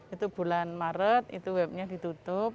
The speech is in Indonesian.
itu bulan maret itu webnya ditutup